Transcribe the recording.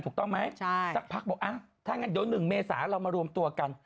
ถูกต้องไหมสักพักบอกถ้างั้นเดี๋ยว๑เมษาเรามารวมตัวกัน